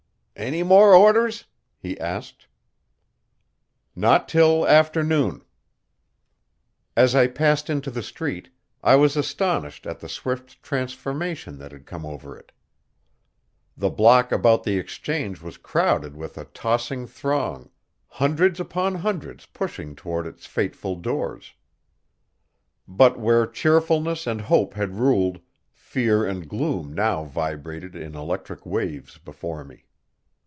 "Any more orders?" he asked. "Not till afternoon." As I passed into the street I was astonished at the swift transformation that had come over it. The block about the Exchange was crowded with a tossing throng, hundreds upon hundreds pushing toward its fateful doors. But where cheerfulness and hope had ruled, fear and gloom now vibrated in electric waves before me.